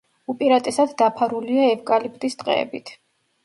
უპირატესად დაფარულია ევკალიპტის ტყეებით.